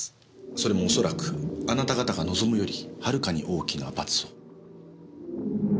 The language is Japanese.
それも恐らくあなた方が望むよりはるかに大きな罰を。